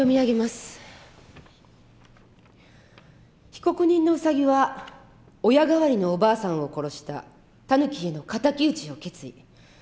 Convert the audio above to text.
「被告人のウサギは親代わりのおばあさんを殺したタヌキへの敵討ちを決意。